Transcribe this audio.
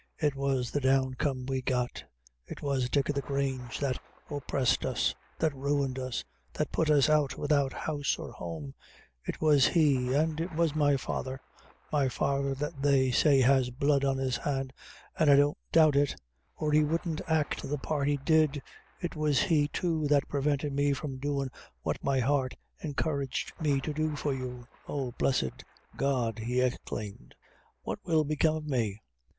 it was the downcome we got it was Dick o' the Grange, that oppressed us that ruined us that put us out without house or home it was he, and it was my father my father that they say has blood on his hand, an' I don't doubt it, or he wouldn't act the part he did it was he, too that prevented me from doin' what my heart encouraged me to do for you! O blessed God," he exclaimed, "what will become of me!